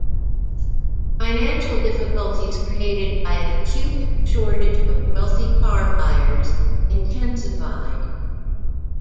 Financial difficulties created by an acute shortage of wealthy car buyers intensified.